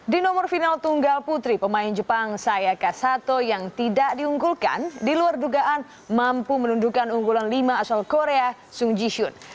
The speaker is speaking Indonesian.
di nomor final tunggal putri pemain jepang sayaka sato yang tidak diunggulkan di luar dugaan mampu menundukkan unggulan lima asal korea sung ji hyun